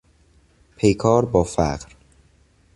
پیکار بافقر